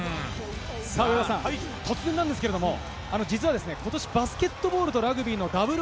上田さん、突然なんですが実は今年バスケットボールとラグビーのダブル